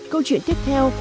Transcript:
câu chuyện tiếp theo